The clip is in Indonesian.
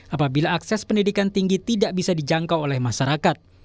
apabila akses pendidikan tinggi tidak bisa dijangkau oleh masyarakat